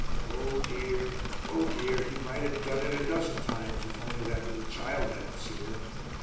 Oh dear! oh dear! he might have done it a dozen times if only that little child hadn't seen him.